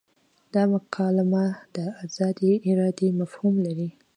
دا مکالمه د ازادې ارادې مفهوم لري.